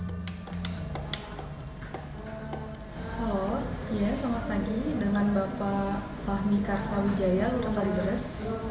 halo selamat pagi dengan bapak fahmi karsawijaya lurah kalideres